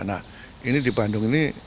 nah ini di bandung ini